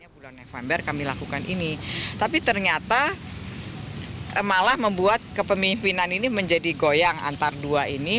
bulan november kami lakukan ini tapi ternyata malah membuat kepemimpinan ini menjadi goyang antar dua ini